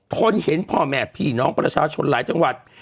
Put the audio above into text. ทนเห็นพ่อแม่พี่น้องประชาชนหลายจังหวัด